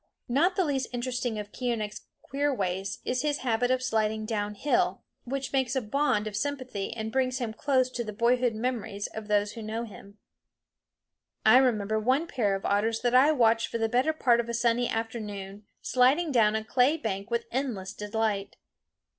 Not the least interesting of Keeonekh's queer ways is his habit of sliding down hill, which makes a bond of sympathy and brings him close to the boyhood memories of those who know him. I remember one pair of otters that I watched for the better part of a sunny afternoon sliding down a clay bank with endless delight.